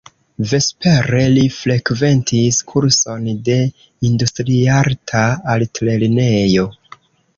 Vespere li frekventis kurson de Industriarta Altlernejo.